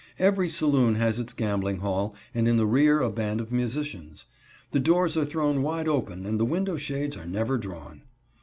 Every saloon has its gambling hall, and in the rear a band of musicians. The doors are thrown wide open and the window shades are never drawn.